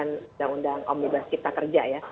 undang undang omnibus cipta kerja ya